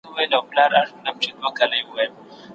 رحمان بابا د عشق او وحدت ښوونکی و.